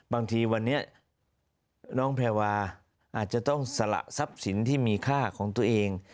บางทีวันนี้น้องแพรวาอาจจะต้องสละทรัพย์สินที่มีค่าของตัวเอง